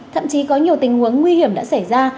thậm chí có nhiều tình huống nguy hiểm đã xảy ra